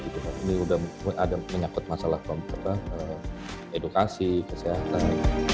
ini sudah ada menyakut masalah edukasi kesehatan